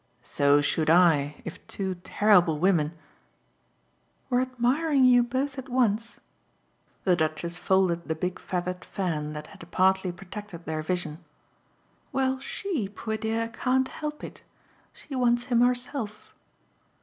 "So should I if two terrible women " "Were admiring you both at once?" The Duchess folded the big feathered fan that had partly protected their vision. "Well, SHE, poor dear, can't help it. She wants him herself."